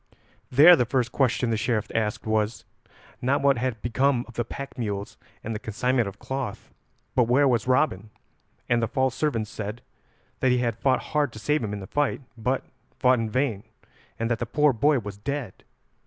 There the first question the Sheriff asked was, not what had become of the pack mules and the consignment of cloth, but where was Robin, and the false servant said that he had fought hard to save him in the fight, but fought in vain, and that the poor boy was dead.